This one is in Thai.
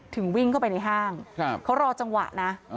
วิ่งเข้าไปในห้างเขารอจังหวะนะ